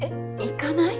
行かない！？